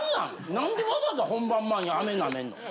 何でわざわざ本番前にアメ舐めんの？